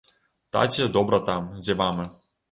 Таце добра там, дзе мама.